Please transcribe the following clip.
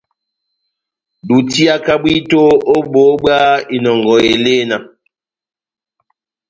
Dutiaka bwito ó boho bwa inɔngɔ elena.